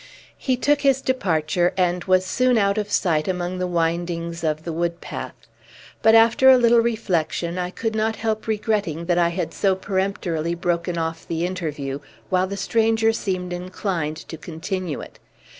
He took his departure, and was soon out of sight among the windings of the wood path. But after a little reflection, I could not help regretting that I had so peremptorily broken off the interview, while the stranger seemed inclined to continue it.